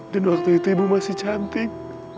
dan waktu itu ibu masih cantik